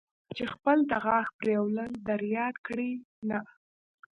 چې خپل د غاښ پرېولل در یاد کړي، نه.